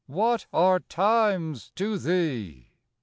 What are times to thee?